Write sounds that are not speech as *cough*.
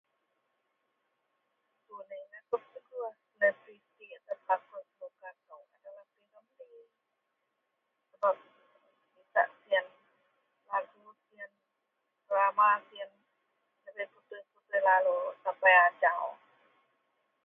Akou nda inget bak petegoh… … *unintelligible* wak suka kou sebab isak siyen…. …. *unintelligible* nda putuih-putuih lalu sapai ajau